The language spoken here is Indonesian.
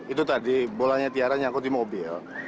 itu tadi bolanya tiara nyangkut di mobil